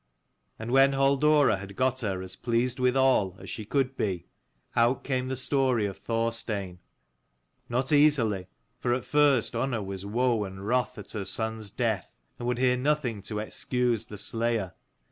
And when Halldora had got her as pleased with all as she could be, out came the story of Thorstein : not easily, for at first Unna was woe and wrath at her son's death, and would hear nothing to excuse the slayer.